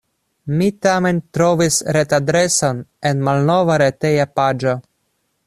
Mi tamen trovis retadreson en malnova reteja paĝo.